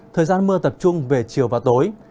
thời gian mưa tập trung về chiều và tối